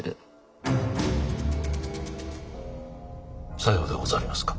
さようでござりますか。